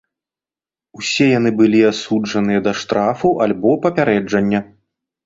Усе яны былі асуджаныя да штрафу альбо папярэджання.